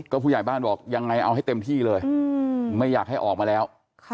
ก็ผู้ใหญ่บ้านบอกยังไงเอาให้เต็มที่เลยไม่อยากให้ออกมาแล้ว